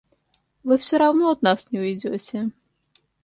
Вы всё равно от нас не уйдёте!